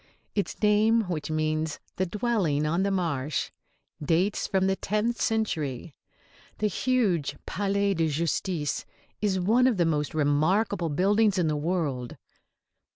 Its name, which means "the dwelling on the marsh," dates from the tenth century. The huge Palais de Justice is one of the most remarkable buildings in the world.